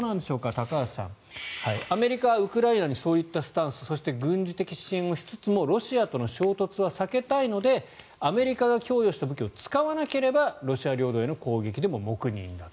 高橋さんはアメリカはウクライナにそういったスタンスそして、軍事的支援をしつつもロシアとの衝突は避けたいのでアメリカが供与した武器を使わなければロシア領土への攻撃でも黙認すると。